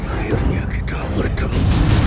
akhirnya kita bertemu